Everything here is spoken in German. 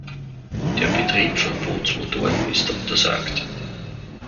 Der Betrieb von Bootsmotoren ist untersagt.